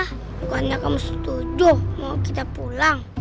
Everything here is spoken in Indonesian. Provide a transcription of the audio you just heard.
bukannya kamu setuju mau kita pulang